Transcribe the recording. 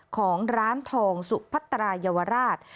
ของร้านทองสุพัตราเยาวราช